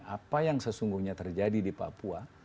apa yang sesungguhnya terjadi di papua